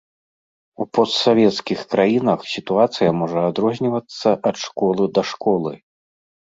У постсавецкіх краінах сітуацыя можа адрознівацца ад школы да школы.